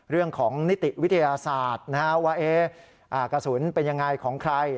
เรื่องของนิติวิทยาศาสตร์ว่ากระสุนเป็นยังไงของใคร